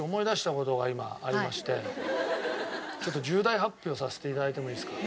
ちょっと重大発表させて頂いてもいいですか？